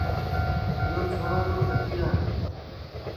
روہن تو ٹھگِیا ہے